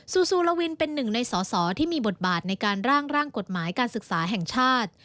ซูลาวินเป็นหนึ่งในสอสอที่มีบทบาทในการร่างกฎหมายการศึกษาแห่งชาติ